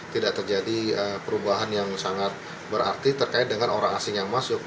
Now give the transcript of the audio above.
tidak terjadi perubahan yang sangat berarti terkait dengan orang asing yang masuk